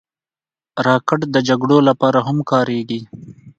راکټ د جګړو لپاره هم کارېږي